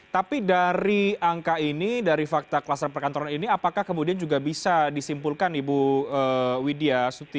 tapi dari angka ini dari fakta kluster perkantoran ini apakah kemudian juga bisa disimpulkan ibu widya suti